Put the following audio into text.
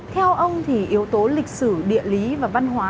theo ông thì yếu tố lịch sử địa lý và văn hóa